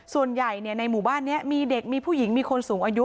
ส่วนใหญ่ในหมู่บ้านนี้มีเด็กมีผู้หญิงมีคนสูงอายุ